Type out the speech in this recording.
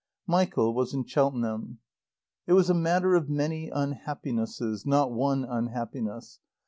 Michael was in Cheltenham. It was a matter of many unhappinesses, not one unhappiness.